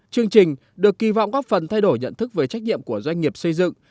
chương trình được kỳ vọng góp phần thay đổi nhận thức về trách nhiệm của doanh nghiệp xây dựng